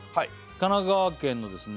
神奈川県のですね